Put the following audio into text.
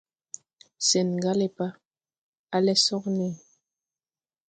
Sɛn gà le pa, alɛ sogne.